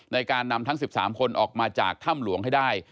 ในการนำทั้ง๑๓คนออกมาจากถ้ำหลวงให้ได้